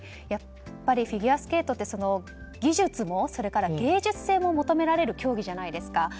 やっぱりフィギュアスケートって技術も芸術性も求められる競技じゃないですか。